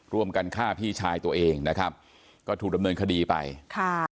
ร่วมกันฆ่าพี่ชายตัวเองนะครับก็ถูกดำเนินคดีไปค่ะ